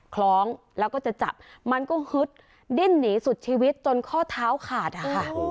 คล้องแล้วก็จะจับมันก็ฮึดดิ้นหนีสุดชีวิตจนข้อเท้าขาดอะค่ะ